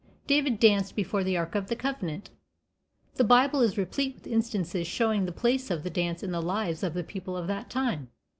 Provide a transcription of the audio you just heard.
David danced before the Ark of the Covenant. The Bible is replete with instances showing the place of the dance in the lives of the people of that time.